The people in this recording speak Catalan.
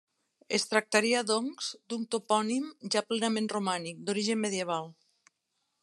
Es tractaria, doncs, d'un topònim ja plenament romànic, d'origen medieval.